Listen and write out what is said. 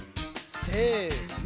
せの！